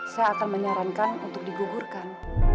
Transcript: saya akan menyarankan untuk digugurkan